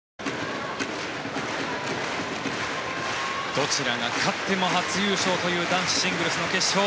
どちらが勝っても初優勝という男子シングルスの決勝。